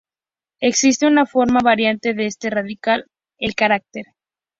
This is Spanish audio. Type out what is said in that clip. Existe una forma variante de este radical: el carácter 甩.